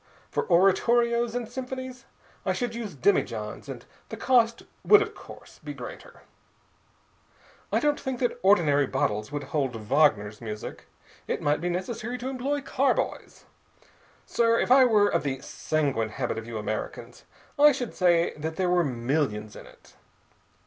For oratorios and symphonies I should use demijohns, and the cost would of course be greater. I don't think that ordinary bottles would hold Wagner's music. It might be necessary to employ carboys. Sir, if I were of the sanguine habit of you Americans, I should say that there were millions in it.